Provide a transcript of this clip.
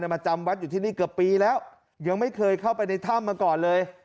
มาจำวัดอยู่ที่นี่เกือบปีแล้วยังไม่เคยเข้าไปในถ้ำมาก่อนเลย